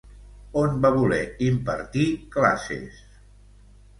On va voler impartir classes?